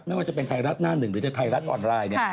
ไม่ว่าจะเป็นไทยรัฐหน้าหนึ่งหรือจะไทยรัฐออนไลน์เนี่ย